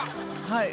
はい。